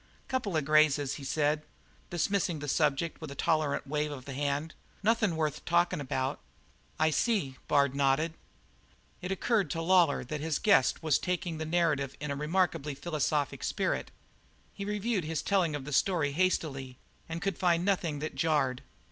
"Couple of grazes," he said, dismissing the subject with a tolerant wave of the hand. "Nothin' worth talkin' of." "I see," nodded Bard. It occurred to Lawlor that his guest was taking the narrative in a remarkably philosophic spirit. He reviewed his telling of the story hastily and could find nothing that jarred.